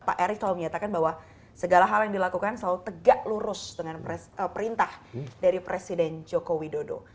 pak erick selalu menyatakan bahwa segala hal yang dilakukan selalu tegak lurus dengan perintah dari presiden joko widodo